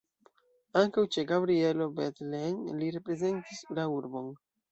Ankaŭ ĉe Gabrielo Bethlen li reprezentis la urbon.